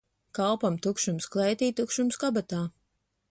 Kalpam tukšums klētī, tukšums kabatā.